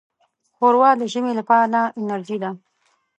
ښوروا د ژمي لپاره انرجۍ ده.